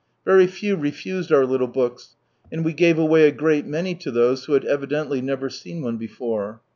Very few refused our little books, and we gave away a great many to those who had evidently never seen one before.